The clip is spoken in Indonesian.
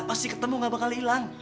pasti ketemu gak bakal hilang